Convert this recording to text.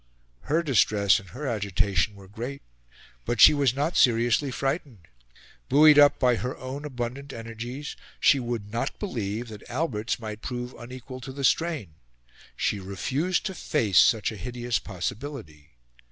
Her distress and her agitation were great, but she was not seriously frightened. Buoyed up by her own abundant energies, she would not believe that Albert's might prove unequal to the strain. She refused to face such a hideous possibility.